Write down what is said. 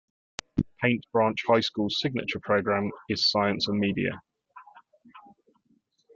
Paint Branch High School's signature program is Science and Media.